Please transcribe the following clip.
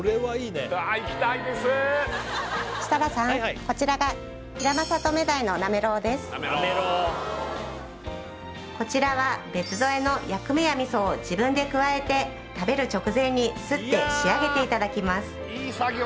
こちらがこちらは別添えの薬味や味噌を自分で加えて食べる直前にすって仕上げていただきます